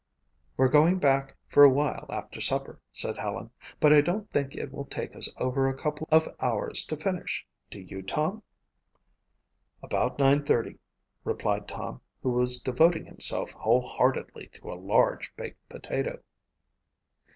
"We're going back for a while after supper," said Helen, "but I don't think it will take us over a couple of hours to finish, do you, Tom?" "About nine thirty," replied Tom, who was devoting himself whole heartedly to a large baked potato.